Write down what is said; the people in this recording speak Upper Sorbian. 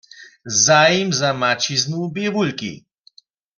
Zajim za maćiznu bě wulki.